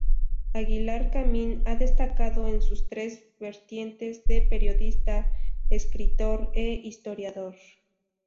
Aguilar Camín ha destacado en sus tres vertientes de periodista, escritor e historiador.